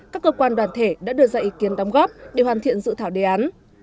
các cơ quan đoàn thể đã đưa ra ý kiến đóng góp để hoàn thiện dự thảo đề án